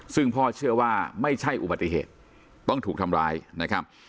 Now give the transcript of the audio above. ซึ่งพ่อเชื่อว่าไม่ใช่อุบัติเหตุต้องถูกทำร้ายนะครับ